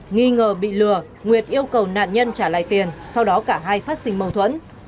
nghi ngờ bị lừa nguyệt yêu cầu nạn nhân trả lại tiền sau đó cả hai phát sinh mâu thuẫn